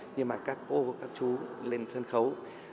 nhưng mà các cô các chú lên sân khấu